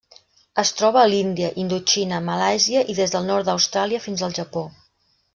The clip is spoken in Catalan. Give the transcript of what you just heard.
Es troba a l'Índia, Indoxina, Malàisia i des del nord d'Austràlia fins al Japó.